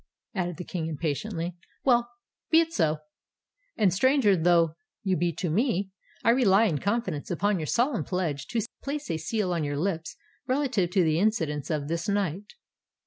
added the King, impatiently. "Well—be it so; and, stranger though you be to me, I rely in confidence upon your solemn pledge to place a seal on your lips relative to the incidents of this night."